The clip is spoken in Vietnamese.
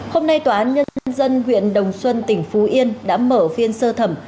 hôm nay tòa án nhân dân huyện đồng xuân tỉnh phú yên đã mở phiên sơ thẩm